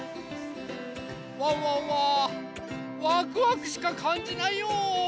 ワンワンはワクワクしかかんじないよ。